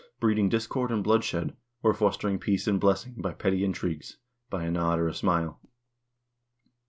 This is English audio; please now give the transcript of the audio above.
THE VIKING PERIOD 91 ing discord and bloodshed, or fostering peace and blessing by petty intrigues, by a nod or a smile.